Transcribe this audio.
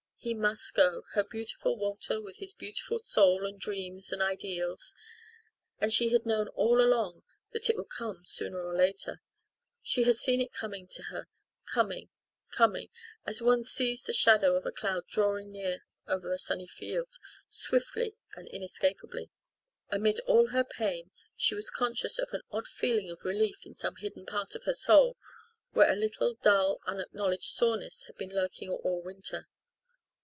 He must go her beautiful Walter with his beautiful soul and dreams and ideals. And she had known all along that it would come sooner or later. She had seen it coming to her coming coming as one sees the shadow of a cloud drawing near over a sunny field, swiftly and inescapably. Amid all her pain she was conscious of an odd feeling of relief in some hidden part of her soul, where a little dull, unacknowledged soreness had been lurking all winter.